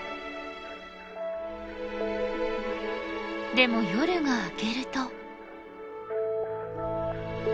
でも夜が明けると。